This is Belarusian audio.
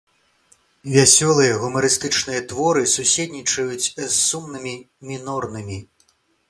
Вясёлыя, гумарыстычныя творы суседнічаюць з сумнымі, мінорнымі.